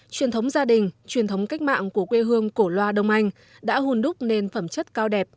truyền thống gia đình truyền thống cách mạng của quê hương cổ loa đông anh đã hùn đúc nền phẩm chất cao đẹp